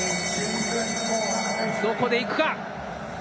どこで行くか。